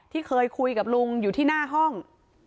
ที่เคยคุยกับลุงอยู่ที่หน้าห้อง